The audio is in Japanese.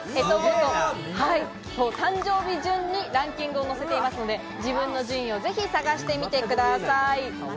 干支ごと、誕生日順にランキングを載せているので、自分の順位を、ぜひ探してみてください。